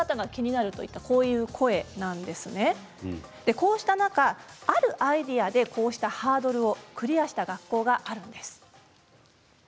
こうした中、あるアイデアでこうしたハードルをクリアした学校があるんです。